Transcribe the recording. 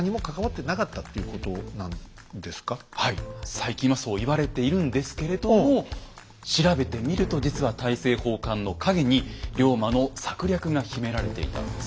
最近はそう言われているんですけれども調べてみると実は大政奉還の陰に龍馬の策略が秘められていたんです。